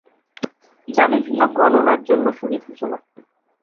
যা বিভিন্ন গণনার জন্য সুবিধাজনক।